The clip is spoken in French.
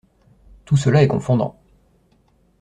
Tout cela est confondant.